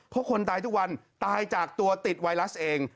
เพราะคนตายทุกวันตายจากตัวติดไวรัสเอง